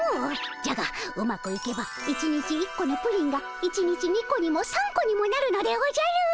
じゃがうまくいけば１日１個のプリンが１日２個にも３個にもなるのでおじゃる！